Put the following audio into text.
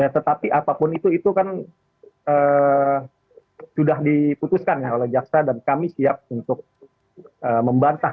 tetapi apapun itu itu kan sudah diputuskan oleh jaksa dan kami siap untuk membantah